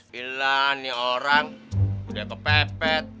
bilang nih orang udah kepepet